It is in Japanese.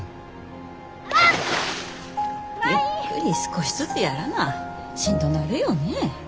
ゆっくり少しずつやらなしんどなるよね。